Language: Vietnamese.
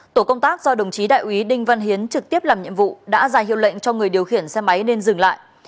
tổ công tác do đồng chí đại úy đinh văn hiến trực tiếp làm nhiệm vụ đã ra hiệu lệnh cho người điều khiển xe máy nên dừng lại